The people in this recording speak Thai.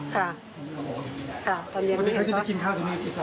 ค่ะตอนเย็นไม่เห็นเขา